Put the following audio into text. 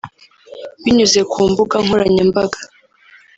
Binyuze ku mbuga nkoranyambaga